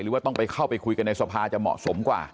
ว่าต้องไปเข้าไปคุยกันในสภาจะเหมาะสมกว่า